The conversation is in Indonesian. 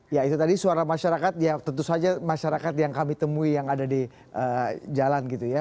ya itu tadi suara masyarakat ya tentu saja masyarakat yang kami temui yang ada di jalan gitu ya